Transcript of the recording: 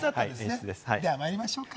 では、まいりましょうか。